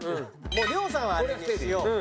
もう亮さんはあれにしよう。